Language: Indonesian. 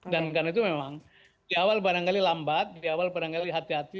dan karena itu memang di awal barangkali lambat di awal barangkali hati hati